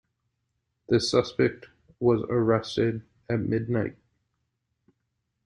The suspect was arrested at midnight